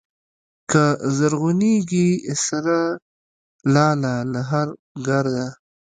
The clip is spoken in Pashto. کله زرغونېږي سره لاله له هره ګرده